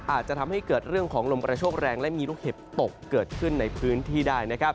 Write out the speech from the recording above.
อาจจะทำให้เกิดเรื่องของลมกระโชคแรงและมีลูกเห็บตกเกิดขึ้นในพื้นที่ได้